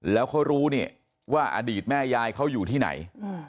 แล้วเขารู้เนี่ยว่าอดีตแม่ยายเขาอยู่ที่ไหน